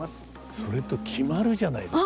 それと決まるじゃないですか。